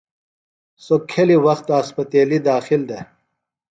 سوۡ کھیۡلیۡ وخت اسپتیلیۡ داخل دےۡ۔